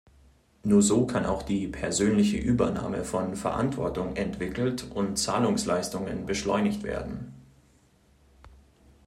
Nur so kann auch die persönliche Übernahme von Verantwortung entwickelt und Zahlungsleistungen beschleunigt werden.